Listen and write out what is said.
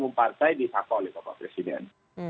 semua partai disahkan oleh bapak presiden